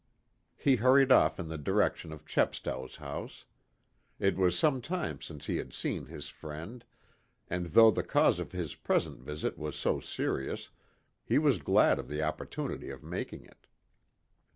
He hurried off in the direction of Chepstow's house. It was some time since he had seen his friend, and though the cause of his present visit was so serious, he was glad of the opportunity of making it.